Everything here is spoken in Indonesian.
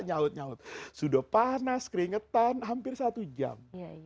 nyawut nyawut sudah panas keringetan hampir satu jam